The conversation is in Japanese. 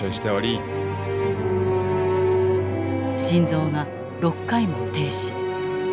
心臓が６回も停止。